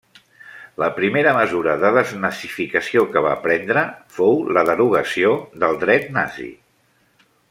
La primera mesura de desnazificació que va prendre, fou la derogació del dret nazi.